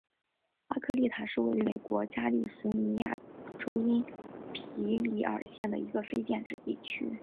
阿科利塔是位于美国加利福尼亚州因皮里尔县的一个非建制地区。